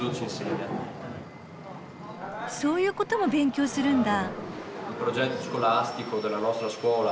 そういうことも勉強するんだ。